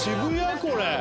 これ」